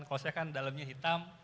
kalau saya kan dalamnya hitam